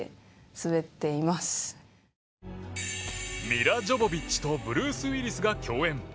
ミラ・ジョボビッチとブルース・ウィリスが共演。